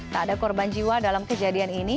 tak ada korban jiwa dalam kejadian ini